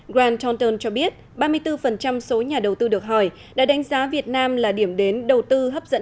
grand taunton cho biết ba mươi bốn số nhà đầu tư được hỏi đã đánh giá việt nam là điểm đến đầu tư hấp dẫn